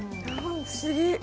不思議。